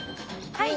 はい。